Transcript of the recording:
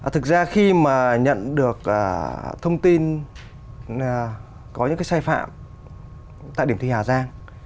thực ra khi mà nhận được thông tin có những cái sai phạm tại điểm thi hà giang